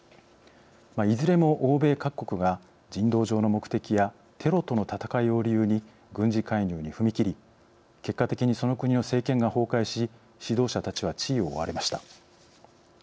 いずれも欧米各国が人道上の目的やテロとの戦いを理由に軍事介入に踏み切り結果的にその国の政権が崩壊し指導者たちは地位を追われました。